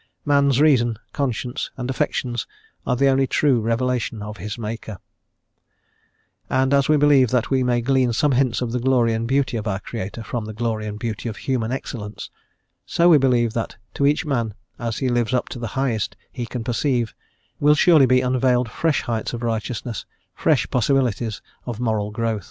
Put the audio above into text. Man's reason, conscience, and affections are the only true revelation of his Maker," And as we believe that we may glean some hints of the Glory and Beauty of our Creator from the glory and beauty of human excellence, so we believe that to each man, as he lives up to the highest he can perceive, will surely be unveiled fresh heights of righteousness, fresh possibilities of moral growth.